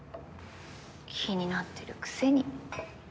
気になってるくせに。